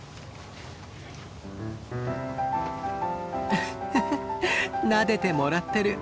ウフフッなでてもらってる。